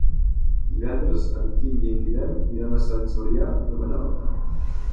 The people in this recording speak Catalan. Divendres en Quim i en Guillem iran a Sant Cebrià de Vallalta.